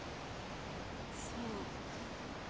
そう。